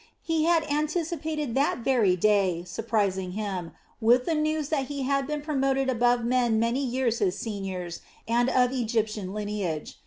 He had anticipated that very day surprising him with the news that he had been promoted above men many years his seniors and of Egyptian lineage.